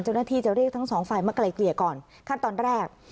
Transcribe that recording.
เจ้าหน้าที่จะเรียกทั้งสองฝ่ายมาไกลเกลี่ยก่อนขั้นตอนแรก